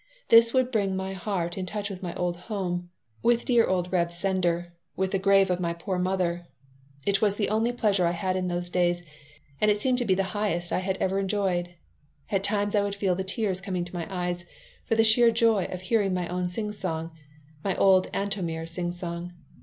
This would bring my heart in touch with my old home, with dear old Reb Sender, with the grave of my poor mother. It was the only pleasure I had in those days, and it seemed to be the highest I had ever enjoyed. At times I would feel the tears coming to my eyes for the sheer joy of hearing my own singsong, my old Antomir singsong.